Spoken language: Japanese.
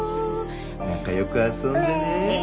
仲よく遊んでね。